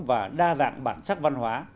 và đa dạng bản sắc văn hóa